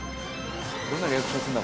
どんなリアクションするんだ？